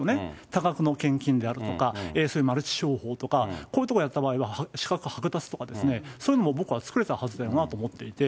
多額の献金であるとか、そういうマルチ商法とかこういうところをやった場合は、資格剥奪とかですね、そういうのも僕は作れたはずだよなと思っていて。